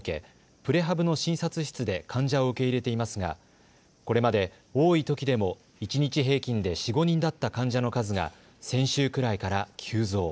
プレハブの診察室で患者を受け入れていますがこれまで多いときでも一日平均で４、５人だった患者の数が先週くらいから急増。